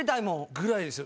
ぐらいですよ。